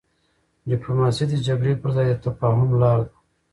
ډيپلوماسي د جګړي پر ځای د تفاهم لار ده.